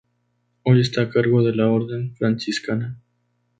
Hoy está a cargo de la orden franciscana.